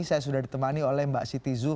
saya sudah ditemani oleh mbak siti zoo